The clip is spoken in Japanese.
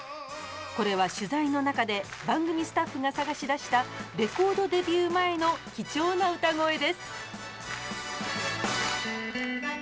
これは取材の中で番組スタッフが探し出したレコードデビュー前の貴重な歌声です。